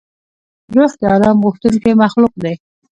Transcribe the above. روح د آرام غوښتونکی مخلوق دی.